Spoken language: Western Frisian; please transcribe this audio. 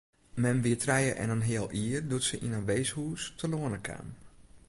Mem wie trije en in heal jier doe't se yn in weeshûs telâne kaam.